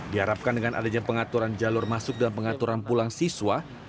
diharapkan dengan adanya pengaturan jalur masuk dan pengaturan pulang siswa